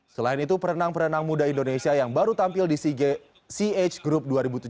selain itu perenang perenang muda indonesia yang baru tampil di sea games ch group dua ribu tujuh belas